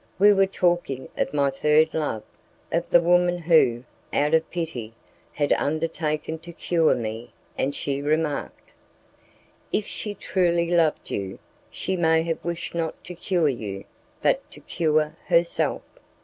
We were talking of my third love, of the woman who, out of pity, had undertaken to cure me, and she remarked, "If she truly loved you, she may have wished not to cure you, but to cure herself."